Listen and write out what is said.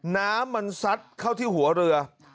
น้ำมันซัดเข้าที่หัวเรือ